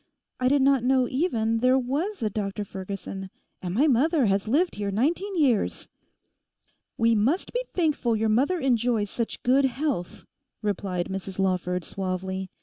I did not know even there was a Dr Ferguson; and my mother has lived here nineteen years.' 'We must be thankful your mother enjoys such good health,' replied Mrs Lawford suavely.